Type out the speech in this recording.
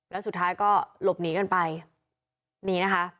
แล้วสุดท้ายก็หลบหนีกันไป